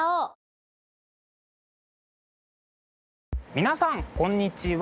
皆さんこんにちは。